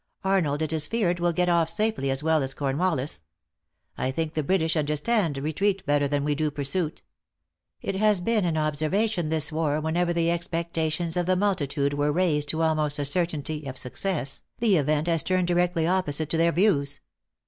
Arnold, it is feared, will get off safely as well as Cornwallis. I think the British understand retreat better than we do pursuit. It has been an observation, this war, whenever the expectations of the multitude were raised to almost a certainty of success, the event has turned directly opposite to their views.